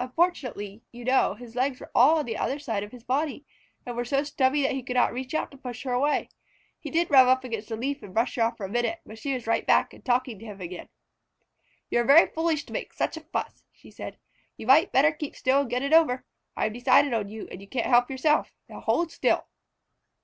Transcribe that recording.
Unfortunately, you know, his legs were all on the under side of his body, and were so stubby that he could not reach up to push her away. He did rub up against a leaf and brush her off for a minute, but she was right back and talking to him again. "You are very foolish to make such a fuss," she said. "You might better keep still and get it over. I have decided on you, and you can't help yourself. Now hold still!"